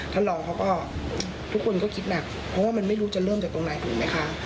ท่านรองเขาก็ทุกคนก็คิดหนักเพราะว่ามันไม่รู้จะเริ่มจากตรงไหนถูกไหมคะ